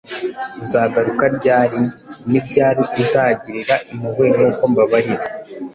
Uzagaruka ryari? Ni ryari uzagirira impuhwe nk'uko mbabarira?